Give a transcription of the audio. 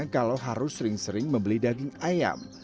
kalau harus sering sering membeli daging ayam